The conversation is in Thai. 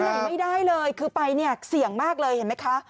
ไหนไม่ได้เลยคือไปเนี่ยเสี่ยงมากเลยเห็นไหมคะ